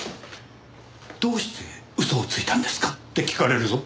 「どうして嘘をついたんですか？」って聞かれるぞ。